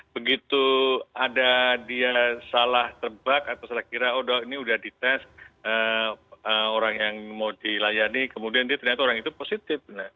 begitu ada dia salah terbak atau salah kira oh dok ini sudah dites orang yang mau dilayani kemudian dia ternyata orang itu positif